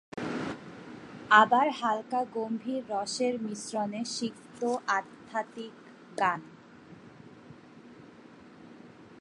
আবার হালকা-গম্ভীর রসের মিশ্রণে সিক্ত আধ্যাত্মিক গান।